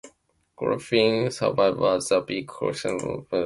Griffin serves as the vice chairman of the Chicago Public Education Fund.